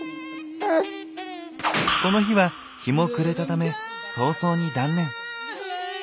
この日は日も暮れたため早々に断念。